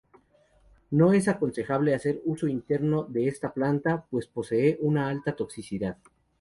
No es aconsejable hacer uso interno de esta planta, pues posee una alta toxicidad.